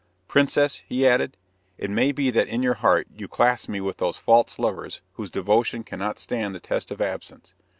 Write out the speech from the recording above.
"Princess," he added, "it may be that in your heart you class me with those false lovers whose devotion cannot stand the test of absence.